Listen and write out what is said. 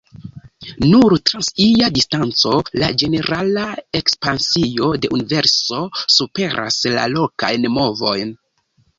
Nur trans ia distanco, la ĝenerala ekspansio de Universo superas la lokajn movojn.